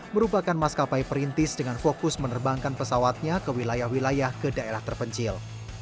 merupakan maskapai perintis dengan fokus menerbangkan pesawatnya ke wilayah wilayah ke daerah terpencil